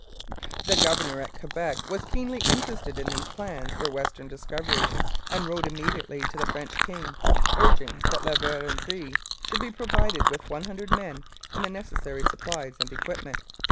The governor at Quebec was keenly interested in these plans for western discovery, and wrote immediately to the French king, urging that La Vérendrye should be provided with one hundred men and the necessary supplies and equipment.